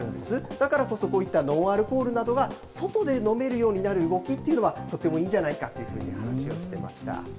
だからこそ、こういったノンアルコールなどが外で飲めるようになる動きというのはとてもいいんじゃないかという話をしてました。